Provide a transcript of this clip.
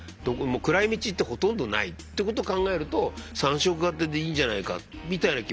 暗い道ってほとんどないってことを考えると３色型でいいんじゃないかみたいな気もしますね。